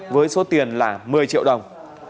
với số tiền là một mươi triệu đồng